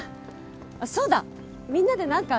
そうだみんなで何か食べてく？